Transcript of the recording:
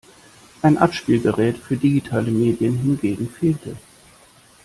Ein Abspielgerät für digitale Medien hingegen fehlte.